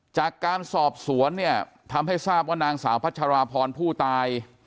จากการสอบสวนเนี่ยทำให้ทราบว่านางสาวพัชราพรผู้ตาย